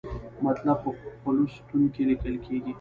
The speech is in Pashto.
مطلب په خلص ستون کې لیکل کیږي.